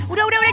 udah udah udah